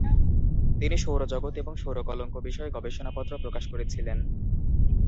তিনি সৌর জগৎ এবং সৌরকলঙ্ক বিষয়ে গবেষণাপত্র প্রকাশ করেছিলেন।